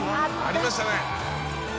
ありましたね。